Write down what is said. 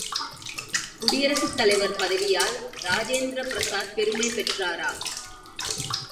குடியரசுத் தலைவர் பதவியால் ராஜேந்திர பிரசாத் பெருமை பெற்றாரா?